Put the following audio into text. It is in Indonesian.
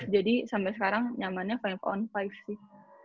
jadi sampai sekarang nyamannya lima on lima sih